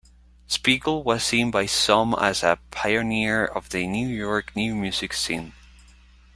Spiegel was seen by some as a pioneer of the New York new-music scene.